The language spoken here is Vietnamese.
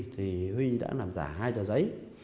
thì huy đã làm giả hai tờ giấy